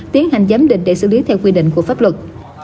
tiến hành giám định để xử lý theo quy định của pháp luật